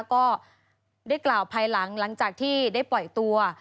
ก็ได้กล่าวภายหลังจากที่ได้ปล่อยตัว